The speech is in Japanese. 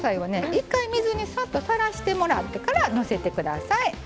一回水にサッとさらしてもらってからのせて下さい。